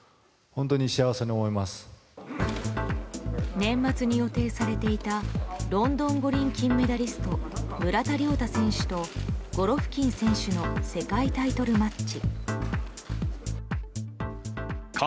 年末に予定されていたロンドン五輪金メダリスト村田諒太選手とゴロフキン選手の世界タイトルマッチ。